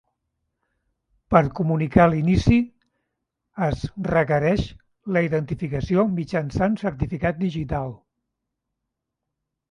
Per comunicar l'inici es requereix la identificació mitjançant certificat digital.